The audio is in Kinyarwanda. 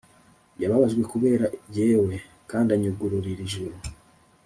Yababajwe kubera jyewe, Kand' anyugururir' ijuru.